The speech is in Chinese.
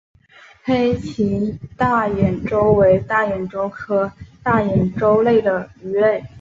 黑鳍大眼鲷为大眼鲷科大眼鲷属的鱼类。